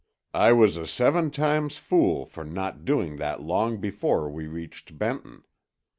I was a seven times fool for not doing that long before we reached Benton.